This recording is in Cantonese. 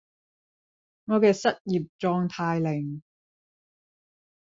我嘅失業狀態令